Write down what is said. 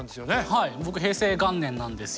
はい僕平成元年なんですよ。